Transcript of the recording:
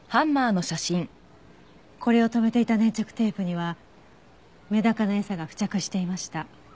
これを留めていた粘着テープにはメダカの餌が付着していました。